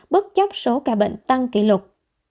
bất chấp số ca bệnh tăng kỷ lục